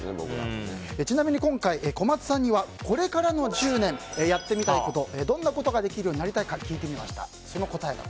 ちなみに今回、小松さんにはこれからの１０年やってみたいことどんなことができるようになりたいか聞いてみました。